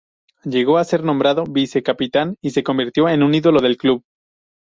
Llegó a ser nombrado vice-capitán y se convirtió en un ídolo del club.